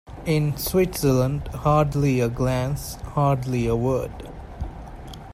In Switzerland, hardly a glance, hardly a word.